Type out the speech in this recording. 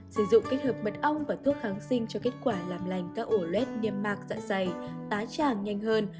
sử dụng kết hợp mật ong và thuốc kháng sinh cho kết quả làm lành các ổ lết niêm mạc dạ dày tá tràng nhanh hơn